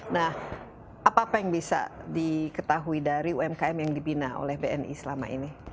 nah apa apa yang bisa diketahui dari umkm yang dibina oleh bni selama ini